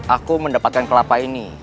aku mendapatkan kelapa ini